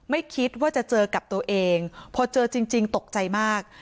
ไม่คิดว่าจะเจอกับตัวเองพอเจอจริงตกใจมาก